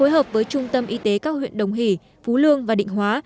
hợp với trung tâm y tế các huyện đồng hỷ phú lương và định hóa